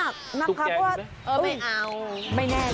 อ้าวไม่เอา